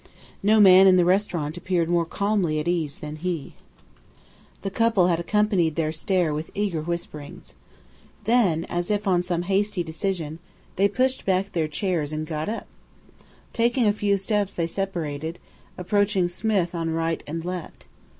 No man in the restaurant appeared more calmly at ease than he. The couple had accompanied their stare with eager whisperings. Then, as if on some hasty decision, they pushed back their chairs and got up. Taking a few steps they separated, approaching Smith on right and left.